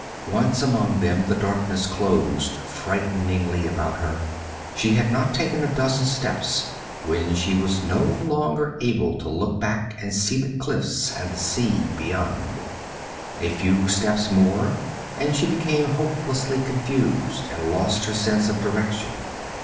Once among them, the darkness closed frighteningly about her. She had not taken a dozen steps when she was no longer able to look back and see the cliffs and the sea beyond. A few steps more and she became hopelessly confused and lost her sense of direction.